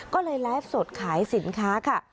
ก็เลยไลฟ์สดขายสินค้าค่ะ